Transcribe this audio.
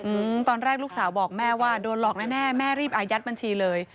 ตอนแรกลูกสาวบอกแม่ว่าโดนหลอกแน่แน่แม่รีบอายัดบัญชีเลย